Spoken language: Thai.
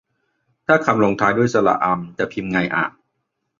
ถ้าคำลงท้ายด้วย สระอำ จะพิมพ์ไงอะ